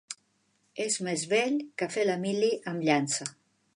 És més vell que fer la mili amb llança.